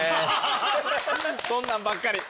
そんなんばっかり。